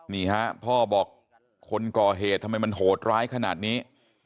นี่ฮะพ่อบอกคนก่อเหตุทำไมมันโหดร้ายขนาดนี้